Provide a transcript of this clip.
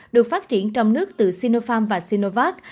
được phát triển trong nước từ sinopharm và sinovac